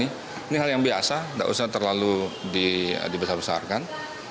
ini hal yang biasa tidak usah terlalu dibesarkan